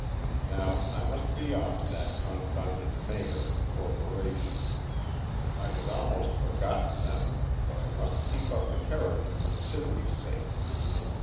Now I must be off to that confounded Mayor and Corporation, I had almost forgotten them, but I must keep up the character for Sidney's sake.